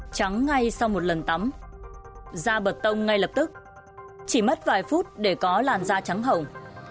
trắng ngay sau một lần tắm da bật tông ngay lập tức chỉ mất vài phút để có làn da trắng hồng